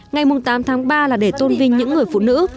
ngày tám tháng ba là để tôn vinh những người phụ nữ